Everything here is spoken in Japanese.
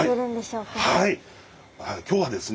今日はですね